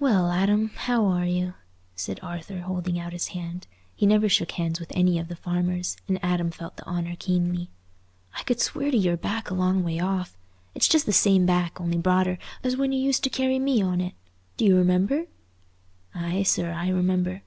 "Well, Adam, how are you?" said Arthur, holding out his hand. He never shook hands with any of the farmers, and Adam felt the honour keenly. "I could swear to your back a long way off. It's just the same back, only broader, as when you used to carry me on it. Do you remember?" "Aye, sir, I remember.